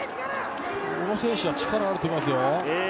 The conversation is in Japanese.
この選手は力があると思いますよ。